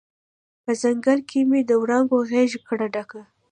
په ځنګل کې مې د وړانګو غیږ کړه ډکه